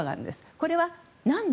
これは何で？